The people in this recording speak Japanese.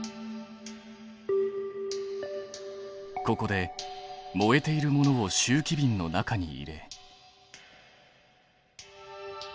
ここで燃えているものを集気びんの中に入れ。